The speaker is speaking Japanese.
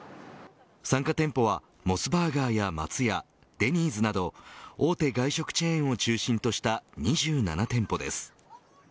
参加店舗はモスバーガーや松屋デニーズなど大手外食チェーンを中心とした２７店舗です。